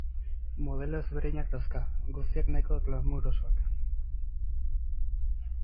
Modelo ezberdinak dauzka, guztiak nahiko glamourosoak.